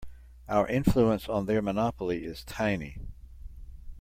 Our influence on their monopoly is tiny.